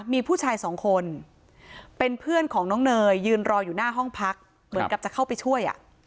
มีผู้ชายสองคนเป็นเพื่อนของน้องเนยยืนรออยู่หน้าห้องพักเหมือนกับจะเข้าไปช่วย